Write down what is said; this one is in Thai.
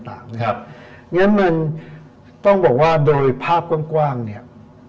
เพราะฉะนั้นมันต้องบอกว่าโดยภาพกว้างเนี่ย